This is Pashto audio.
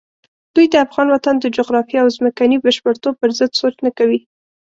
دوی د افغان وطن د جغرافیې او ځمکني بشپړتوب پرضد سوچ نه کوي.